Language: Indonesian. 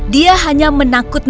dia hanya menangkapku